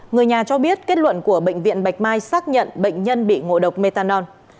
người nhà cho biết kết luận của bệnh viện bạch mai xác nhận bệnh nhân bị ngộ độc metanol